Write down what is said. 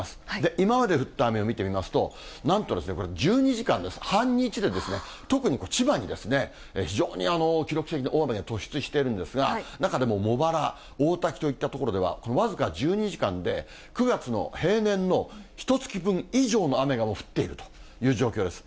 今まで降った雨を見てみますと、なんと、１２時間で、半日で、特に千葉に非常に記録的な雨が突出しているんですが、中でも茂原、大多喜といった所では、僅か１２時間で９月の平年のひとつき分以上の雨が降っているという状況です。